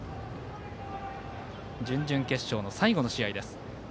準々決勝の最後の試合です。